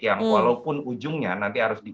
yang walaupun ujungnya nanti harus di